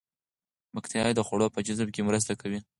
باکتریاوې د خوړو په جذب کې مرسته کوي.